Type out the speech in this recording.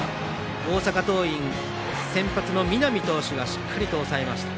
大阪桐蔭、先発の南投手がしっかりと抑えました。